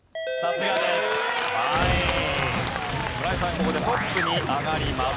ここでトップに上がります。